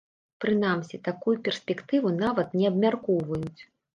Прынамсі, такую перспектыву нават не абмяркоўваюць.